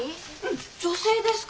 女性ですか？